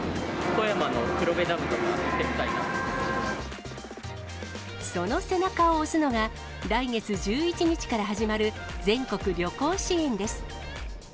富山の黒部ダムとか、行ってその背中を押すのが、来月１１日から始まる全国旅行支援です。